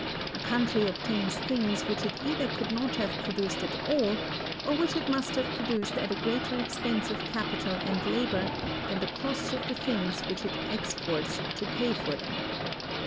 A country obtains things which it either could not have produced at all, or which it must have produced at a greater expense of capital and labor than the cost of the things which it exports to pay for them.